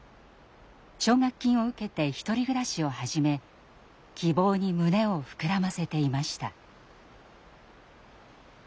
奨学金を受けて１人暮らしを始め希望に胸を膨らませていました。